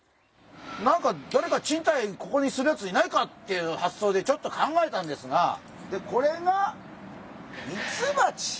何かだれか賃貸ここにするヤツいないかっていう発想でちょっと考えたんですがでこれがミツバチ！